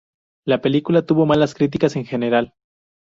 La película tuvo malas críticas en general.